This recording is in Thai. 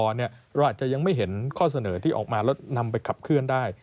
เราอาจจะยังไม่เห็นข้อเสนอที่ออกมาแล้วนำไปขับเคลื่อนได้